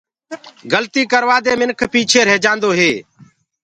گلتيٚ ڪروآ دي منک پيٚچي رهيجآندو هي۔